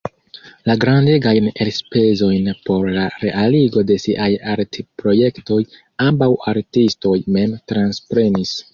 La grandegajn elspezojn por la realigo de siaj artprojektoj ambaŭ artistoj mem transprenis.